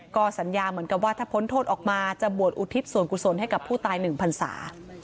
ก็สัญญาเหมือนกับว่าถ้าพ้นโทษออกมาจะบวชอุทิศส่วนกุศลให้กับผู้ตาย๑พันศา